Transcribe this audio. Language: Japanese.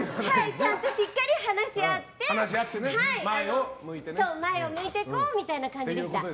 しっかり話し合って前を向いていこうという感じでした。